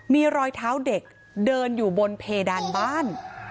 มีรอยเท้าเด็กเดินอยู่บนเพดานบ้าน